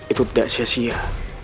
itu tidak sia sia